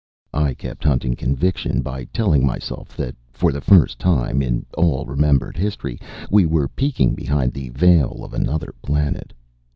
I kept hunting conviction by telling myself that, for the first time in all remembered history, we were peeking behind the veil of another planet.